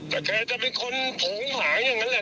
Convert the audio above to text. แต่แกจะเป็นคนโผงหาอย่างนั้นแหละ